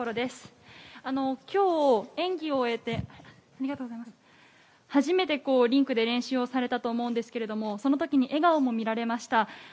今日、演技を終えて初めてリンクで練習をされたと思うんですけどそのときに笑顔も見られました。